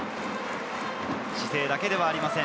姿勢だけではありません。